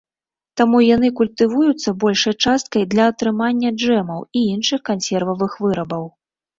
Таму яны культывуюцца большай часткай для атрымання джэмаў і іншых кансервавых вырабаў.